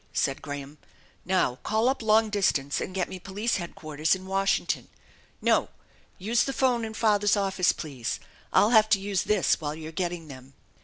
" said Graham. " Now call up long distance and get me Police Headquarters in Washington. No! Use the phone in father's office please, I'll have to use this while you're getting them."